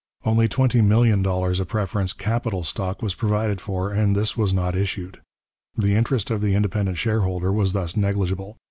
Only $20,000,000 preference capital stock was provided for, and this was not issued. The interest of the independent shareholder was thus negligible.